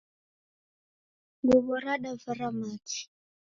Nguwo radavara machi